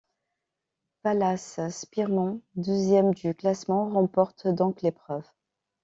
Wallace Spearmon, deuxième du classement, remporte donc l'épreuve.